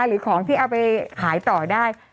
หรือของที่เอาไปขายต่อได้